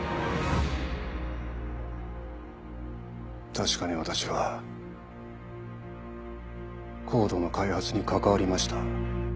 確かに私はＣＯＤＥの開発に関わりました。